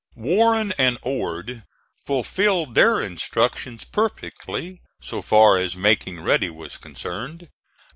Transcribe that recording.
Warren and Ord fulfilled their instructions perfectly so far as making ready was concerned.